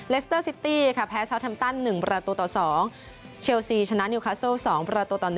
เลสเตอร์ซิตี้แพ้เชาะแทมตั้น๑ประตัวต่อ๒เชลซีชนะนิวคัสเซิล๒ประตัวต่อ๑